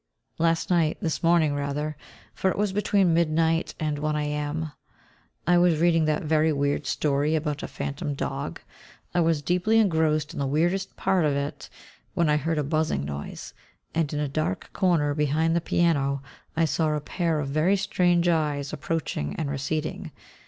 Last night, this morning rather, for it was between midnight and 1 A.M., I was reading that very weird story about a phantom dog. I was deeply engrossed in the weirdest part of it, when I heard a buzzing noise, and in a dark corner behind the piano I saw a pair of very strange eyes approaching and receding.